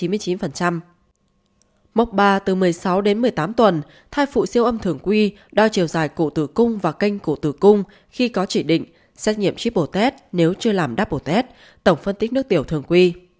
mốc ba từ một mươi sáu một mươi tám tuần thai phụ siêu âm thường quy đo chiều dài cụ tử cung và kênh cụ tử cung khi có chỉ định xét nghiệm triple test nếu chưa làm double test tổng phân tích nước tiểu thường quy